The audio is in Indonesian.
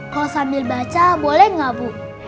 kalau sambil baca boleh nggak bu